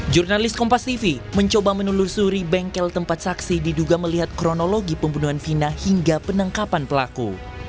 jurnalis kompas tv mencoba menelusuri bengkel tempat saksi diduga melihat kronologi pembunuhan vina hingga penangkapan pelaku